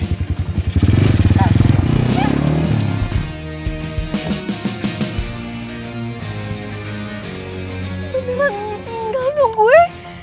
ini memang tinggal dong gue